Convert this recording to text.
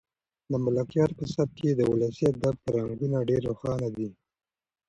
د ملکیار په سبک کې د ولسي ادب رنګونه ډېر روښانه دي.